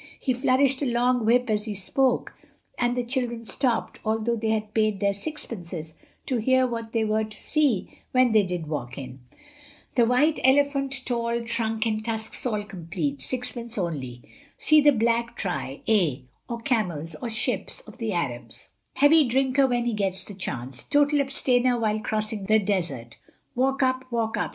He flourished a long whip as he spoke, and the children stopped, although they had paid their sixpences, to hear what they were to see when they did walk in. "The white elephant—tail, trunk, and tusks all complete, sixpence only. See the Back Try A or Camels, or Ships of the Arabs—heavy drinker when he gets the chance—total abstainer while crossing the desert. Walk up, walk up.